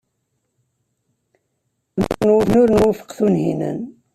Nekkni ur nwufeq Tunhinan.